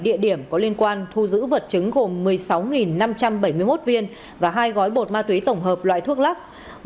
một địa điểm có liên quan thu giữ vật chứng gồm một mươi sáu năm trăm bảy mươi một viên và hai gói bột ma túy tổng hợp loại thuốc lắc